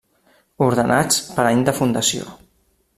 Ordenats per any de fundació.